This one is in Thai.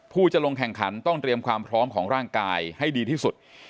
จะลงแข่งขันต้องเตรียมความพร้อมของร่างกายให้ดีที่สุด